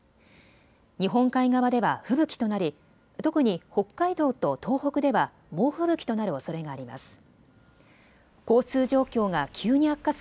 日本海側では吹雪となり特に北海道と東北では猛吹雪となるおそれがあります。